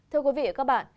thưa quý vị và các bạn